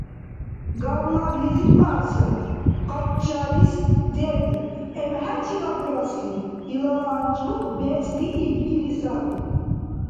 Гавлаглизиб кьар сари, къачалис дердибти. ЭмхӀеличила бурасли, илала анцӀбукь бецӀли ибгили саби.